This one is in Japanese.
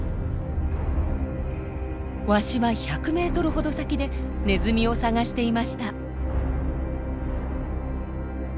ワシは１００メートルほど先でネズミを探していました。